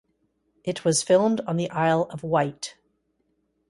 It was filmed on the Isle of Wight.